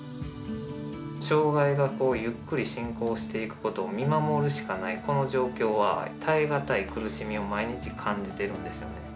障害がゆっくり進行していくことを見守るしかないこの状況は、耐え難い苦しみを、毎日感じてるんですよね。